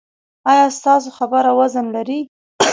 ایا ستاسو خبره وزن لري؟